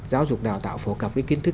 giáo dục đào tạo phổ cập cái kiến thức